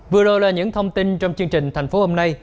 vừa rồi là những thông tin trong chương trình thành phố hôm nay